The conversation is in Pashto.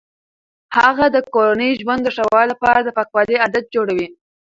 هغه د کورني ژوند د ښه والي لپاره د پاکوالي عادات جوړوي.